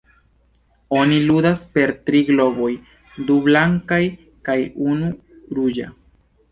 Oni ludas per tri globoj: du blankaj kaj unu ruĝa.